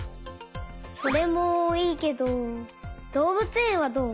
それもいいけどどうぶつえんはどう？